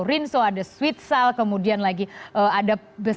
ada rinsau ada sweet sal kemudian lagi ada pemirsa